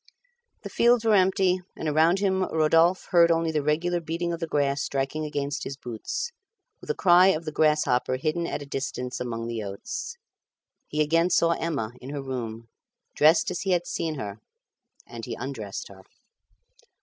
The fields were empty, and around him Rodolphe only heard the regular beating of the grass striking against his boots, with a cry of the grasshopper hidden at a distance among the oats. He again saw Emma in her room, dressed as he had seen her, and he undressed her.